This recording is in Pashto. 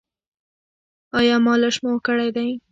ایا مالش مو کړی دی؟